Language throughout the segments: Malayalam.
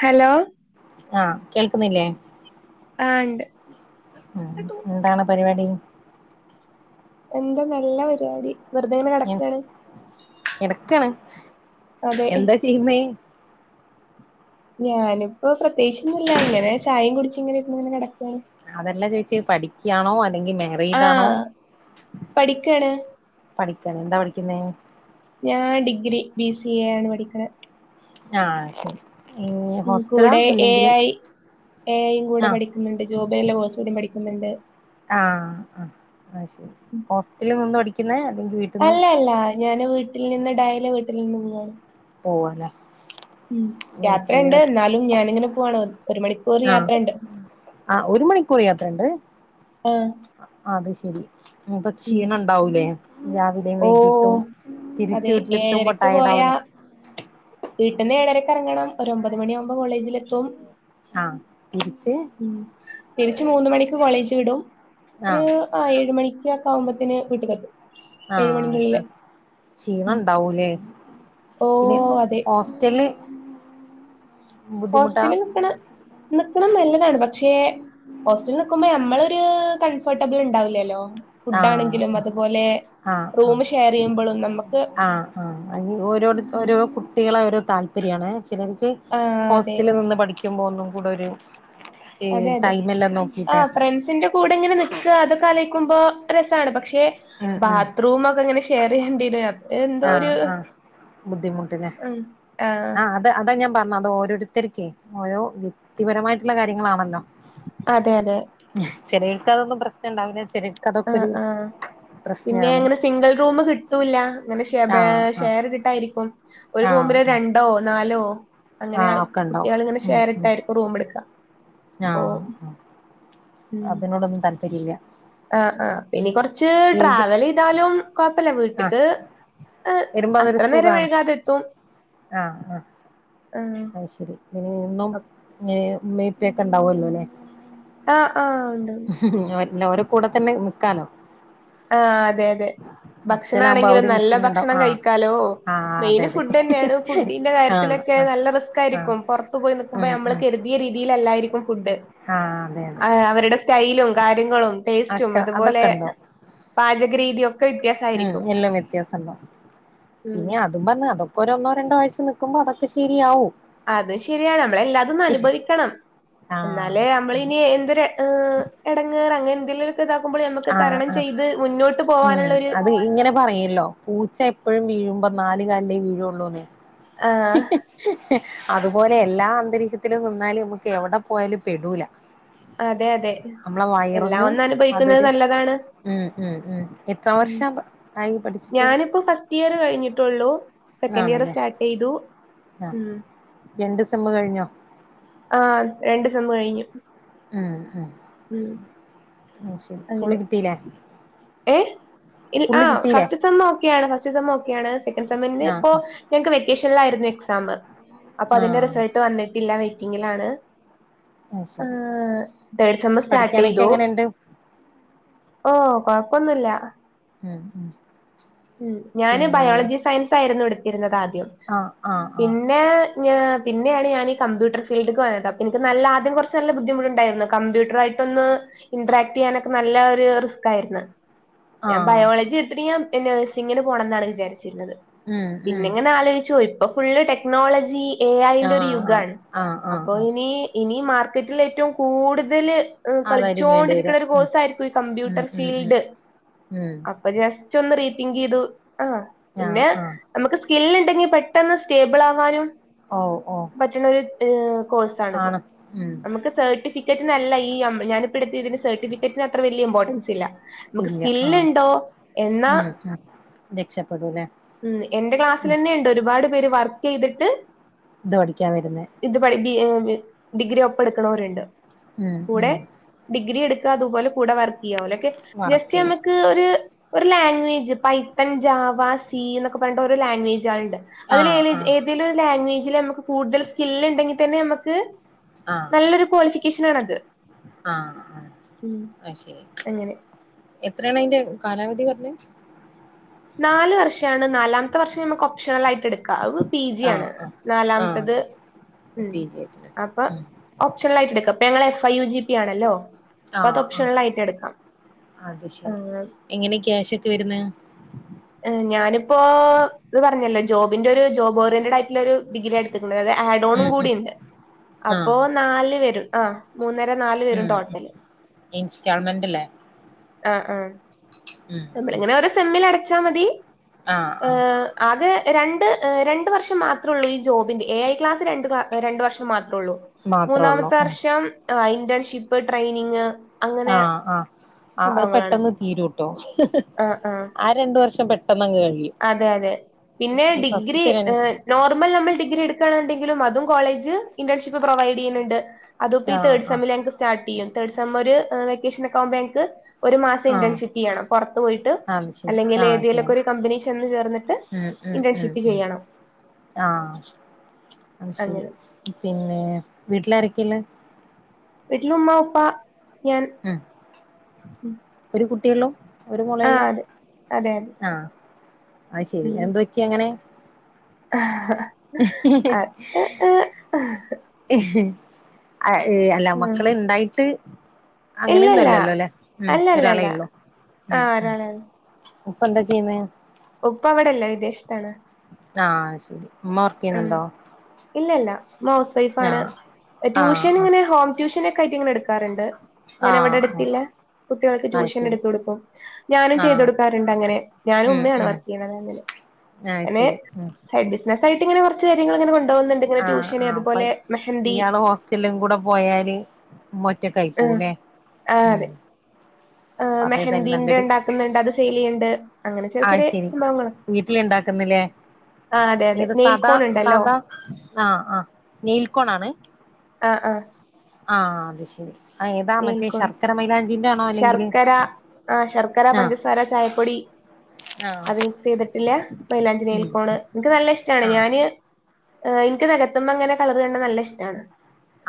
ഹലോ? ആഹ് കേൾക്കുന്നില്ലേ? ആ ഇണ്ട്. ഉ എന്താണ് പരിപാടി. എന്താ നല്ല പരിപാടി വെറുതെങ്ങനെ ഞാൻ കിടക്കയാണ്. കിടക്കാണ് എന്താ ചെയ്യുന്നേ ഞാനിപ്പോ പ്രത്യേകിച്ചൊന്ന ഇല്ല ഇങ്ങനെ ചായയും കുടിച്ച ഇങ്ങനെ ഇ ഇങ്ങനെ കിടക്ക. അതെല്ലാം ചോദിച്ച്ച് പഠിക്കയാണോ അല്ലെങ്കി ആ മേറീഡാണോ പഠിക്കാണ് പഠിക്കണ എന്താ പഠിക്കുന്നേ ഞാൻ ഡിഗ്രി ബി സി എ ആണ് പഠിക്കുന്നത് ആ ശരി ഈ ഉ ഹോസ്റ്റലാ കൂടെ എ അല്ലെങ്കില് ഐ എ ഐയും കൂടെ ആഹ് പഠിക്കുന്നുണ്ട് ജോബെ കോഴ്സ് കൂടി പഠിക്ക ണ്ട് ആ ആ ആ ശരി ഉം. ഹോസ്റ്റലിൽ നിന്ന് പഠിക്കുന്ന അല്ല അല്ല ഞാന് വീട്ടിൽ നിന്ന് ഡൈലെ വീട്ടിൽ നിന്ന് പോവാണ് പോവല്ലെ ഉ യാത്രുണ്ട് എന്നാലും ഞാനിങ്ങനെ പോവാണോ ഒരു മണിക്കൂർ യാത്രുണ്ട് ആ ഒരു മണിക്കൂർ യാത്രണ്ട് ആ അത് ശരി ഉപ്പൊ ഉം ക്ഷീണം ഉണ്ടാവൂലേ രാവിലെയും ഓ വൈകിട്ടും തിരിച്ച് വീട്ടിലെത്തുമ്പ ടയേഡാവൂലെ വീട്ട്ന്ന് ഏറരക്കിറങ്ങണം ഒ ഒമ്പത് മണിയാവുകുമ്പോ കോളേജിൽ എത്തും ആഹ് തിരിച്ച് ഉ തിരിച്ച് മൂന്ന മണിക്ക് കോളേജ് ത്തിടും ഒരു ആഹ് ഏഴ് മണിക്കൊക്ക ആമ്പോത്തേന് വീട്ടക്ക് എത്തും ആ ശെരി ക്ഷീണം ണ്ടാവുലേ ഓ പിന്നെ അതെ ഹോസ്റ്റല് ബുദ്ധിമുട്ടാ ഹോസ്റ്റലിൽ നിക്ക്ണ് നിക്ക്ണെ നല്ലതാണ് പക്ഷേ ഹോസ്റ്റൽ നിക്കുമ്പോ നമ്മളൊരു കംഫേർട്ടബ്ൾ ഇണ്ടാവില്ലല്ലോ ഫുഡാണെങ്കിലും ആഹ് ആഹ് അത്പോലെ ആഹ് റൂം ഷെയറെയ്യുമ്പോഴും നമ്മക്ക് ആഹ് ആഹ് അയ്ന് ഓരോ ഓരോ കുട്ടികളെ ഒരു താല്പര്യാണ് ചിലർക്ക് ആ അതെ ക്കുമ്പോ ഒന്നും കൂടൊര് അതെ അതെ ആ ഫ്രണ്ട്സ്ന്റെ കൂടെങ്ങനെ നിക്ക അതൊക്കെ ആലോയ്ക്കുമ്പോ രസാണ് പക്ഷെ ഉം പക്ഷെ ബാത്റൂമൊക്കെങ്ങനെ ഷെയർ ചെയ്യണ്ട ആ ആ ബുദ്ധിമുട്ട്ലേ ഉം ആഹ് ആ അത് അതാ ഞാൻ പറ്ഞ്ഞാണ്ട് ഓരോരുത്തർക്കെ ഓരോ വ്യക്തിപരമായ്ട്ട്ള്ള കാര്യങ്ങളാണല്ലോ അതെ അതെ ചെലേർക്കതൊന്നും പ്രശ്നണ്ടാവൂല്ല ആ ആ പിന്നെ പ്രശ്നാണ് അങ്ങനെ സിംഗിൾ റൂം കിട്ടൂല്ല ങ്ങനെ ക്കെ ബേ ആഹ് ആഹ് ഷെയറ്ട്ട്ട്ടായിരിക്കും ഒരു ആഹ് റൂമില് ആഹ് രണ്ടോ നാലോ അങ്ങനെ ആഹ് ഒക്കെ ഉണ്ടാവും കുട്ട്യാള്ങ്ങനെ ഉം ഉം ഷെയർട്ടായ്ര്ക്കും റൂമ്ട്ക്ക. ആഹ് ആഹ് അതിനോടൊന്നും താല്പര്യല്ല. ആ ആ പിന്നിം കൊറ്ച്ച് ട്രാവലെയ്താ കൊഴ്പ്പല്ല ആഹ് വീട്ട്ക്ക് അ് അത്ര നേരം വൈഴകാതെത്തും ആ ആ അയ്ശെരി [unintelligible] എന്നും ഈ ഇമ്മിം ഇപ്പെക്കെ ഇണ്ടാവല്ലോ ലേ ആഹ് ആഹ് ഉണ്ട് ഞ്ഞി ഞ്ഞോരെ കൂടെ തന്നെ നിക്കാലോ ആ അതെ അതെ ഹോസ്റ്റലാകുമ്പോ ആ ഭക്ഷണാണെങ്കിലും ഒരു നല്ല മിസ്സിങ് ഉണ്ടാവും ഭക്ഷണം ആഹ് കഴിക്കാലോ ആഹ് അതെ മെയ്ൻ അതെ ഫുഡെന്നേയണ് ഫുഡിന്റെ ആഹ് കാര്യത്ത്ലൊക്കെ ആഹ് നല്ല ആഹ് റിസ്കായ്രിക്കും പുറത്തു പോയി നക്കുമ്പോ ഉം നമ്മൾ ഉം കരുതി രീതിയിലല്ലായ് ക്കും ഫുഡ് ആഹ് അതെ അതെ അവര്ടെ സ്റ്റൈലും കാര്യങ്ങളും ടേസ്റ്റും അക്കെ അത്പോലെ അതൊക്കെ പാചക രീത്യൊ മ്മ് എല്ലും വ്യത്യാസണ്ടാവും ഉം പിന്നെ അതും പറ്ഞ്ഞ് അതൊ ഒരൊന്നോ രണ്ടോ ആഴ്ച നിക്കുമ്പോ അതൊക്കെ ശെരിയാവും അത് ശെരിയാണ് നമ്മളെല്ലാതൊന്ന് അനുഭവിക്കണം എന്നാലേ ആഹ് നമ്മളിനി എന്തൊരു എടങ്ങേറ് അങ്ങനെ എന്തെങ്കിലുമൊക്കെ ഇതാക്കുമ്പോൾ നമുക്ക് ആ തരണം ആ ചെയ്ത് മുന്നോട്ട് ഉം പോവാനുള്ളൊരു അത് ഇങ്ങനെ പറയല്ലോ പൂച്ച എപ്പഴും വീഴുമ്പോ നാല് കാലിലേ വീഴൊള്ളൂന്ന് ആഹ് അതുപോലെ എല്ലാ അന്തരീക്ഷത്തിലും നിന്നാൽ മ്മക്കെവ്ടെ പോയാലും പെടൂല അതെ അതെ നമ്മളെ എല്ലാം വയറിനും ഒന്ന് അനുഭവിക്കുന്നത് അതൊരു നല്ലതാണ് ഉം ഉം ഉം എത്ര വർഷം ആയി പഠിച്ചിട്ട് ഞാന്പ്പം ഫസ്റ്റിയർ കഴിഞ്ഞിട്ടുള്ളൂ സെക്കൻഡിയർ ആണല്ലേ സ്റ്റാർട്ടെയ്തു ആഹ് ഉം രണ്ട് സെമ്മ് കഴിഞ്ഞോ ആ രണ്ട് സെമ്മ് കഴിഞ്ഞു ഉം ഉം ഉം ശെരി ഫുള്ള് കിട്ടീലേ ഏ ആ ഫസ്റ്റ് സെമ്മ് ഓക്കെയാണ് ഫസ്റ്റ് സെമ്മ് ഓക്കെയാണ് സെക്കൻ്റ് ആഹ് സെമ്മ്ൻ്റെപ്പോ ഞങ്ങക്ക് വെക്കേഷന്ലായ്ര്ന്നു എക്സാം അപ്പൊ ആഹ് അതിന്റെ ആഹ് റിസൾട്ട് വന്നിട്ടില്ല വെ റ്റിങ്ങിലാണ് അത് ശരി തേർഡ് സെമ് പഠിക്കാനൊക്കെ സ്റ്റാർട്ടെയ്തു എങ്ങനെണ്ട് കൊഴപ്പൊന്നുല്ല ഉം ഉം മ് ഞാന് പിന്നെ ബയോളജി സയൻസായ്ര്ന്നു എടുത്തിരുന്നത് ആദ്യം ആഹ് ആഹ് ആഹ് പിന്നെ പിന്നെയാണ് ഞാൻീ കമ്പ്യൂട്ടർ ഫീൽഡ്ക്ക് പോയത് അപ്പോ എനിക്ക്ല്ല ആം കുറച്ച് നല്ല ബുദ്ധിമുട്ടുണ്ടായിരുന്നു കമ്പ്യൂട്ടറായിട്ട് ഇന്ററാക്ട് ചെയ്യാനൊക്കെ നല്ല ഒരു റിസ്ക് ആയിരുന്നു ഞാൻ ആഹ് ബയോളജി എടുത്തിട്ട് ഞാൻ നേഴ്സിങ്ങിന് പോണം എന്നാണ് വിചാരിച്ചിരുന്നത് ഉം ഉം പിന്നെങ്ങനെ ആലോചിച്ചോ ഇപ്പൊ ഫുള്ള് ടെക്നോളജി എ ആയ്ന്റൊരു ആഹ് ആഹ് യുഗമാണ് ആഹ് അപ്പോൊ ആഹ് ഇനി ഇനി മാർക്കറ്റിൽ ഏറ്റവും കൂടുതല് ആ വരും വേണ്ടി വരും കളിച്ചോണ്ടിരിക്കുന്ന ഒരു ഉം കോഴ്സ് ആയിരിക്കും ഈ കമ്പ്യൂട്ടർ ഉം ഉം ഉം ഫീൽഡ് ഉം അപ്പൊ ജസ്റ്റ് ഒന്ന് റീത്തിങ് ചെയ്തു ആ ആഹ് പിന്നെ ആഹ് നമുക്ക് സ്കില്ല ഉണ്ടെങ്കിൽപെട്ടെന്ന് സ്റ്റേബിൾ ആവാനും ഓ ഓ പറ്റുന്ന ഒരു കോഴ്സാണിത് ആണ് ഉം നമുക്ക് സർട്ടിഫ ക്കറ്റ് നല്ല ഈ ഞാനിപ്പടുത്തെയതിന് സർിട്ടിഫ്ക്കറ്റിന് അത്ര വലിയ ഇമ്പോർട്ടൻസ് ഇല്ല നമുക്ക് ഇല്ല ആഹ് സ്കില്ലുണ്ടോ എന്നാ ഉം ഉം രക്ഷപ്പെടൂല്ലേ ഉ എന്റെ ഉം ക്ലാസ്സിൽന്നെ ഉണ്ട് ഒരുപാട് പേര് വർക്ക് ചെയ്തിട്ട് ഇത് പഠിക്കാൻ വരുന്നേ ഇത് പഠി ഡിഗ്രി ഒപ്പ എടുക്കണവരുണ്ട് ഉം കൂടെ ഉം ഡിഗ്രി എടുക്കതുപലെ കൂടെ വ ക്കെ വർക്ക് ജസ്റ്റ് ചെയ്യാം നമുക്ക് ഒരു ഒരു ലാംഗ്വേജ് പൈത്തൻ ജാവ സി എന്നൊക്കെ പറയേണ്ട ഒരു ലാംഗ്വേജ് ണ്ട് അതിൽ ആഹ് ആഹ് ഏതെലും ഒരു ലാംഗ്വേജില് നമുക്ക് കൂടുതൽ സ്കിൽ ഇണ്ടെങ്കിൽ തന്നെ നമുക്ക് നല്ലൊരു ക്വാളിഫിക്കേഷനാണത് ആ അയ് ശെരി അങ്ങനെ എത്രയാണ് യിന്റെ കാലാവധി [unintelligible] നാല് വർഷാണ് നാലാമത്തെ വർഷം നമക്ക് ഓപ്ഷനൽ ആയി എടുക്ക അത് പി ജി ആഹ് ആണ് ആഹ് നാലാമത്തത് ആഹ് ഉം പി ജി ആയിട്ടല്ലേ അപ്പൊ ഉം ഓപ്ഷനൽ ആയിട്ട് എടുക്ക അപ്പ ഞങ്ങള് എഫ് ഐ യു ജിപി ആണല്ലോ ആ അപ്പൊ അത് ആ ഓപ്ഷണൽ ആയിട്ട് എടുക്കാം അത് ശരി എങ്ങനെ ക്യാഷ ക്കെ വരുന്നെ ഹ് ഞാനിപ്പോ [unintelligible] ആഡെണും ഉം കൂടി ഉം ഇ ണ്ട് അപ്പോ ആഹ് നാല് വെരും അ മൂന്നര നാല് ഉം വെരും ഉം ടോട്ടല് ഇൻസ്റ്റാൾമെന്റ് അല്ലേ ആ ആ ഉം ഉം നമ്മളിങ്ങനെ ഓരോ സെമ്മില് അടച്ചാ മതി ആഹ് ഏ ആഹ് ആകെ രണ്ട് രണ്ട് വർഷം മാത്രേ ഉള്ളൂ ഈ ജോബിന്റെ ഏ ഐ ക്ലാസ് രണ്ട് രണ്ട് വർഷം മാ തൊള്ളൂ മാത്രേ ഉള്ളൂ മൂന്നാമത്തെ ഉം വർഷം ഇന്റേൺഷിപ്പ് ട്രെയിനിങ് അങ്ങനെ ആ ആ ആ അയ് പെട്ടെന്ന് തീരൂട്ടോ ഹ് ഹ് ഹ് ആ ആ കഴിയും അതെ അതെ പിന്നെ ഈ ഡിഗ്രി ഫസ്റ്റ്ത്തെ രണ്ട് നോർമൽ നമ്മൾ ഡിഗ്രി എടുക്ക ക്കാണ്ന്ന് ണ്ടെങ്കിലും അതും കോളേജ് ഇന്റർൺഷിപ്പ് പ്രൊവൈഡ് യ്യുന്നുണ്ട് അതിപ്പോ ഈ ആഹ് തേഡ് ആഹ് സെമ്മില് ഞങ്ങക്ക് സ്റ്റാർട്ട് യ്യും തേർഡ് സെമ്മ് ഒര് വെക്കേഷൻക്കാവുമ്പോ ഞങ്ങ്ക്ക് ഒരു മാസം ആഹ് ഇന്റേൺഷിപ്പ് യ്യണം പൊ റത്ത് പോയിട്ട് അത് ശരി അല്ലെങ്കിൽ ആഹ് ഏതെലൊക്കെ ചെയ്യണം ഒരു കമ്പനി ചെ ചെന്ന് ചേർന്നിട്ട് ഇന്റേൺഷിപ്പ് ചെയ്യണം ആ അയ് ശരി അങ്ങനെ. പിന്നെ വീട്ടിലാരെ ക്കില്ലെ വീട്ടില് ഉമ്മ ഉപ്പാ ഞാൻ ഉം ഒരു കുട്ടിയൊള്ളു ഒരു മോളെ ആ ഒള്ളൂ അതെ അതെ അതെ ആ അയ് ശെരി ഉം എന്ത്പറ്റി അങ്ങനെ [unintelligible] അ അയ് അല്ല ഉം മക്കള് ഇണ്ടായിട്ട് അങ്ങനെയൊന്നു ഇല്ലല്ല അല്ലല്ലോല്ലെ ഒരാളേ അല്ലല്ലല്ല ഉള്ളൂ ആ മ് മ് ഒരാളെ ഉപ്പ എന്താ ചെയ്യുന്നെ ഉപ്പ ഇവിട്ല്ല വിദേശത്താണ് ആ ശെരി ഉമ്മ വർക്ക് യ്യുന്നുണ്ടോ ഇല്ലല്ലാ ഇമ്മ ഹൗസ് വൈഫാണ് ആഹ് ട്യൂഷന് ആഹ് ഇങ്ങനെ ഹോം ട്യൂഷന് ഒക്കെ ആയിട്ടിങ്ങനെ എട് ക്കാറ്ണ്ട് ഇങ്ങനെ ആഹ് ആഹ് വടെട്ത്തില്ലേ കുട്ട്യാൾക്ക് ആഹ് ട്യൂഷന് ശരി എട്ത്തു കൊടുക്കും ഞാനും ചെയ്ത് ആഹ് കൊടുക്കാറുണ്ടങ്ങനെ, ഞാനും ഉം ഉമ്മ ആണ് ഉം വർക്കയ്യ്ണത് അങ്ങനെ ആഹ് ഞാന് ശരി ഉം സൈഡ് ബിസിനസായിട്ട് ഇങ്ങനെ കുറച്ച് കാര്യങ്ങൾ ങ്ങനെ കൊ തോന്ന്ന്ന്ണ്ട് ഇങ്ങനെ ആഹ് ട്യൂഷന് ആഹ് അപ്പൊ അത്പോലെ മെഹന്തി ഇയാള് ഹോസ്റ്റലും കൂടെ പോയാല് ഉമ്മ ഒറ്റക്കായി അ പോവുല്ലേ ആ ഉം അതെ. ആ അത് മെഹന്തിന്റെ ണ്ടാക്ക്ന്ന്ണ്ട് അത് സെയിലെയ്യ്ണ്ട്. അങ്ങനെ ചെറിയ അയ് ചെറിയ ശെരി സംഭവങ്ങള് വീട്ടിലുണ്ടാക്കുന്ന്ല്ലേ. ആഹ് അതെ അതെ ഏത് സാദാ നെയിൽക്കോൺ ഇണ്ടല്ലോ സാദാ ആആനെയിൽ കോ ണാണ്? ആ അ. ആ അത് ശെരി ഏതാ മറ്റേ ശർക്കര മൈലാഞ്ചിന്റെ ആണോ അല്ലെങ്കില് ആ ശർക്കര ആഹ് പഞ്ചസാര ചായപ്പൊടി. ആഹ് അത് മിക്സ്യ്തിട്ടില്ല മൈലാഞ്ചി ഉം നെയിൽക്കോണ് ഉം ആഹ് ആ ഇൻക് നകത്ത്മ്മ ഇങ്ങനെ കളർ കാൺണ് നല്ല ഇഷ്ട്ടാണ്.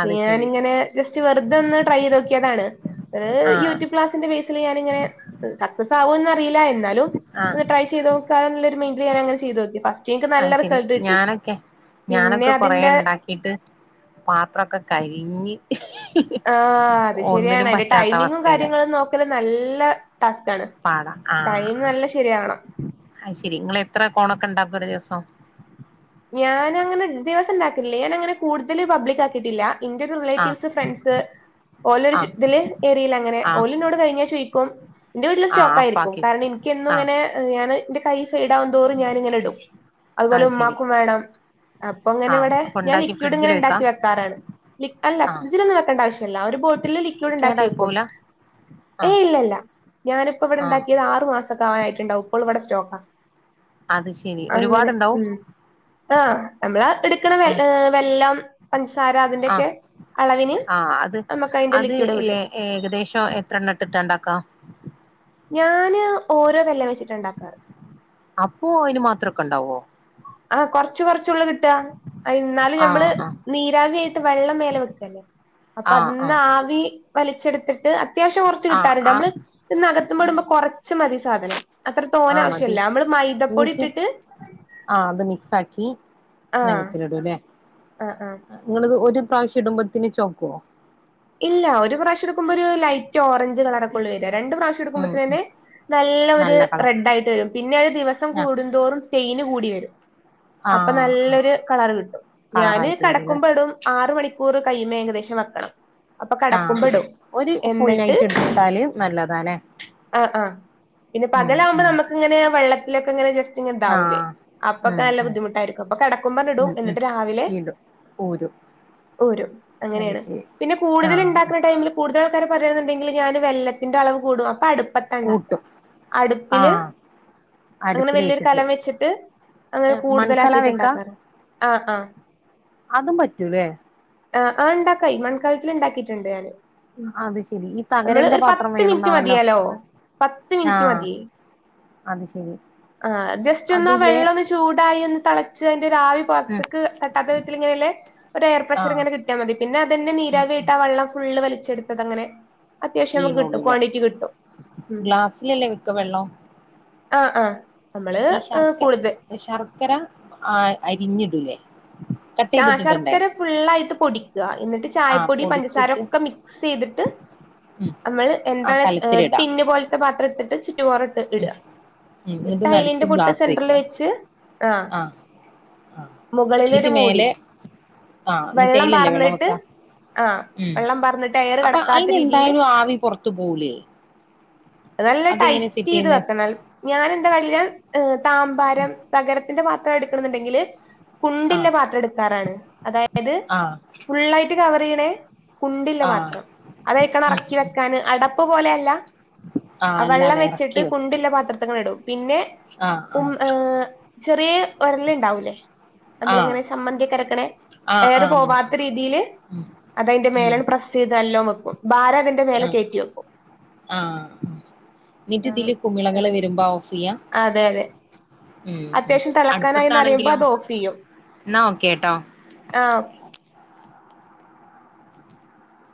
അത് ശരി ഞാനിങ്ങനെ ജസ്റ്റ് വെറുതൊന്ന് ട്രൈ യ്ത് നോക്കിയതാണ്, ഹ് യൂ ആഹ് ട്യൂബ് ക്ലാസ്സിന്റെ ബേസ് ല് ഞാനിങ്ങനെ സക്സസ് ആവോന്നറീല എന്നാ- ന്നാലും ആഹ് ഒന്ന് ട്രൈ ചെയ്ത് നോക്കാനുള്ളൊരു മൈൻഡിൽ ഞാനങ്ങനെ ചെയ്ത് നോക്കി. അത് ശെരി ഞാനൊക്കെ പിന്നെ ഞാനൊക്കെ കൊറേ അതിന്റെ ണ്ടാക്കിട്ട് പാത്രൊക്കെ കരിഞ്ഞു. ആ അത് ശരിയാണ് അതിന്റെ പറ്റാത്ത ടൈമിങ്ങും അവസ്ഥയിലായി കാര്യങ്ങളും നോക്കല് നല്ല- ടാസ്കാണ് പാട ആ ടൈം നല്ല ശരിയാവണം അയി ശെരി ഇങ്ങള് എത്ര കോണൊക്കെ ണ്ടാക്കും ഒരു ദിവസം? ഞാനങ്ങനെ ദിവസം ഇണ്ടാക്കലില്ല, ഞാനങ്ങനെ കൂടുതൽ പബ്ലിക് ആക്കിട്ടില്ലാ. ഇന്റെ ആഹ് റിലേറ്റീവ്സ് ഫ്രണ്ട്‌സ് ഓലൊരു ആഹ് തില് എരീലങ്ങനെ ആഹ് ഓൽ ഞ്ഞോട് കഴിഞ്ഞ ചോയി- ന്റെ വീട്ടിൽ ആഹ് സ്റ്റോക്കായിരിക്കും അപ്പാക്കി കാരണം ഇൻക് ആഹ് എന്നുമിങ്ങനെ ന്റെ കൈ- ഇടാവും തോറും ഞാാനിങ്ങനെ ഇടും അതുപോലെ അത് ശരി ഉമ്മാക്കും വേണം. അപ്പൊ ങ്ങനെ ആഹ് വടെ അപ്പൊ ഞാൻ ഇണ്ടാക്കി ലിക്യഡ് ഇങ്ങനെ ഫ്രിഡ്ജില് വെക്കാ ഉണ്ടാക്കി വെക്കാറാണ് അല്ല ആഹ് ഫ്രിഡ്ജിലൊന്നും വെക്കേണ്ട ആവശ്യല്ല ഒരു ബോട്ടിൽില് ലിക്വിഡ് ണ്ടാക്കി കേടായി വെക്കും. പോവൂല ആഹ് ഏയ് ഇല്ല ഇല്ല ഞാനിപ്പോ ഇവിടെ ആഹ് ണ്ടാക്കിയത് ആറു മാസക്കാവനായിട്ടുണ്ടാവും ഇപ്പോളും ഇവിടെ സ്റ്റോക്കാ. അത് ശരി അങ്ങനെ ഒരുപാടുണ്ടാവും മ്. ആഹ് നമ്മള് ആ എടുക്കണ ആഹ് വെല്ലം പഞ്ചസാര അതിന്റെൊക്കെ. ആഹ അത് അത് ഇല്ലെ കിട്ടും ഏകദേശം എത്ര എണ്ണം ഇട്ടട്ടാ ഇണ്ടാക്ക. ഞാന് ഓരോ വെല്ല വെച്ചി. അപ്പോ അതിന് മാത്രൊക്കണ്ടാവോ? ആഹ് കുറച്ചു കുറച്ചുള്ള കിട്ട ട്ട എന്നാലും നമ്മള് ആഹ് നീരാവിയായിട്ട് വെള്ളം മേലെ വെക്കല്ലേ. അപ്പൊ ആഹ് അതന്ന് ആഹ് ആവി- വലിച്ചെടുത്തിട്ട് അത്യാവശ്യം കുറച്ച് ആഹ് കിട്ടാറുണ്ട് ആഹ് നമ്മള് ആഹ് നകതിൻമേടുമ്പോ - ഉച്ച മതി സാധനം അത്ര തോന ആഹ് മതി ആവശ്യല്ല നമ്മള് മൈദപ്പൊടി ഇട്ടിട്ട്- സാക്കി ആഹ് നഗത്തിലിടും ലെ ആഹ് ആഹ് നിങ്ങളത് ഒരു- പ്രാവശ്യം ഇടുമ്പത്തിന് ചോക്കുവോ? ഇല്ല ഒരു പ്രാവശ്യ എടുക്കുമ്പോൊ ഒരു ലൈറ്റ് ഓറഞ്ച് കളർ ഒക്കെ ഒള്ളു വരാ. രണ്ട് പ്രാവശ്യം ഉം എടുക്കുമ്പോത്ത ഉം തന്നെ നല്ല ഒരു റെഡ് ആായിട്ട് വരും പിന്നെ അത് ദിവസം ആഹ് കൂടുന്തോറും- സ്റ്റെയിന് കൂടി വരും. അപ്പൊ ആഹ് ആഹ് നല്ലൊരു കളർ കിട്ടും ഞാന് കളറായിട്ട് വരൂല്ലേ കടക്കുമ്പോ ഇടും ആറ് മണിക്കൂർ- കൈമ്മേ ഏകദേശം വെക്കണം. അപ്പൊ ആഹ് ആഹ് കടക്കുമ്പടോ ഒരു ഫുൾ എന്നിട്ട് നൈറ്റ് ഇട്ടാല് നല്ലതാല്ലേ ആ അ പിന്നെ ഉം പകലകുമ്പോ ഉം നമക്കിങ്ങനെ വെള്ളത്തിലൊക്കെ ഇങ്ങനെ ജെസ്റ് - ന്താവലേ ആഹ് അപ്പൊക്കെ ഉം നല്ല ഉം ബുദ്ധിമുട്ടായിരിക്കും അപ്പൊ കിടക്കുമ്പടും എന്നിട്ട് രാവിലെ- പോരും ഓരു അങ്ങനെയാണ് പിന്നെ കൂടുതല് ആഹ് ഇണ്ടാക്ക്ണ ടൈമിൽ കൂടുതലാൾക്കാരെ പറയാണങ്കിൽ ഞാന് വെള്ളത്തിന്റെ അളവ് കൂടും അപ്പൊ അടു പത്തണ്ടാക്കാ കൂട്ടും അടുപ്പില് ആഹ് അങ്ങനെ വലിയൊരു കലം വെച്ചിട്ട് അങ്ങനെ മൺകല വെക്കാ കൂടുതലാക്കിട്ട്ണ്ടാക്കാറ് ആ ആ അതും പറ്റൂലേ ആ ആ ഇണ്ടാക്കേയ് മൺകാലത്തിൽ ഇണ്ടാക്കിയിട്ടുണ്ട് ഞാന് ഉം അത് ശരി ഈ നമ്മള് തകരന്റെ ഒരു പാത്രം പത്ത് മിനിറ്റ് വേണംന്നാണല്ലോ മതിയേലോ പത്ത് മിനിറ്റ് ആഹ് മതിയേ അത് ശരി ആ ജസ്റ്റ് ഒന്ന് ആ അതില് വെള്ളം ഒന്ന് ചൂടായി ഒന്ന് തളച്ച് അതിന്റെ ഒരാവി ഉം പുറത്തക്ക് തട്ടാത്ത വിധത്തിൽ ഇങ്ങനെ ത്തിൽ ഒരു എയർ ആഹ് ഫ്രഷേറ്ങ്ങനെ കിട്ടിയാ മതി പിന്നെ അതന്നെ ഉം ഉം നീരാവിയായിട്ട് ആ വെള്ളം ഫുള്ള് വലി ടുത്തതങ്ങനെ അത്യാവശ്യം നമുക്ക് കിട്ടും വീണോളൂല്ലേ ക്വാണ്ടിറ്റി കിട്ടും ഗ്ലാസ്സിലല്ലേ വെക്ക വെള്ളം ആ ആ ഈ ശർക്കര ശർക്കര അരിഞ്ഞിടൂലേ കട്ട് ശ ചെയ്തിട്ടിടണ്ടേ ശർക്കര ഫുുള്ളായിട്ട് പൊടി ക്കാ എന്നിട്ട് ആഹ് ചായപ്പൊടി പഞ്ചസാര പൊടിച്ചിട്ട് ഒക്കെ മിക്സ് ചെയ്തിട്ട് ഉം നമ്മള് ആ എന്താണ് ഒരു കലത്തിലിടാം ടിന്ന് പോലത്തെ പാത്രത്തി ഒരൊറട്ടിട്ട് ഉം ഇടാ ഉം എന്നിട്ട് നടുക്ക് ടൈലിന്റെ പൊട്ട് ഗ്ലാസ് സെന്റെറിൽ വെക്കാം വെച്ച് ആ ആഹ് മുകളിലൊരു മൂ ആ എന്നിട്ടയിലല്ലേ വെള്ളം പാർന്നിട്ട് വെക്കാ ആഹ് ഉം വെള്ളം പാർന്നിട്ട് എയർ അപ്പൊ കടക്കാത്ത അയിന്ന് രീതിയില് എന്തായാലും ആവി പൊറത്ത് പോവൂലേ നല്ല അതെങ്ങനെ ടൈറ്റ് സെറ്റ് ചെയ്ത് ചെയ്യുന്നേ വെക്കണം ഞാൻ എന്താ വല്യ ഉം താമ്പാരം തകരത്തിന്റെ പാത്ര എടുക്കണ്ന്നുണ്ടെങ്കിൽ കുണ്ട്ള്ള ആഹ് പാത്രം എടുക്കാറാണ് അതായത് ആഹ് ഫുള്ളായിട്ട് കവറയ്യ്ണെ കുണ്ട്ള്ള ആഹ് പാത്രം അതയ്ക്കട് ഉം ഇറക്കി ഉം വെക്കാൻ അടപ്പ് പോലെയല്ല ആഹ് ആ വെള്ളം അല്ലാതെ വെച്ചിട്ട് ഇറക്കി വെക്കും കുണ്ട്ള്ള പാത്രത്തിങ്ങട്ട് ഇടും പിന്നെ ആഹ് ഉം ആഹ് ഏ ചെറിയ ഒരല്ണ്ടാവൂലേ ആഹ് നമ്മളിങ്ങനെ സമ്മന്തിയൊക്കെ അരക്കണേ ആഹ് ഏയറ് ആഹ് പോവാത്ത മനസ്സിലായി രീതിൽ ഉം അതയ്ന്റെ മേലെ ഉം പ്രസ് ചെയ്ത് നല്ലോം വെ ഭാരം അതിന്റെ മേലെ ആഹ് കയറ്റി വെക്കും ആഹ് എന്നിട്ട് ആ ഇതില് കുമിളകള് വരുമ്പോ ഓഫ് ചെയ്യാ അതെ അതെ ഉം ഉം അത്യാവശ്യം തിളക്കാനായി ന്നറിയുമ്പോ അടുപ്പത്താണെങ്കിലോ അത് ഓഫ് ചെയ്യും എന്നാ ഓക്കേട്ടോ ആ